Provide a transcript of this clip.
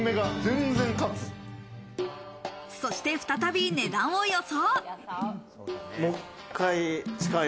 そして再び値段を予想。